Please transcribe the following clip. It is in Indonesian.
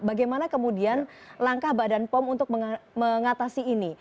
bagaimana kemudian langkah badan pom untuk mengatasi ini